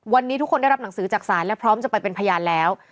วันนี้ทุกคนได้รับหนังสือจากศาลและพร้อมจะไปเป็นพยานแล้ว